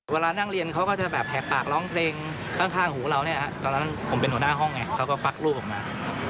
เวลานั่งเรียนเขาก็จะแบบแหกปากร้องเพลงข้างหูเราเนี่ยตอนนั้นผมเป็นหัวหน้าห้องไงเขาก็ฟักลูกออกมา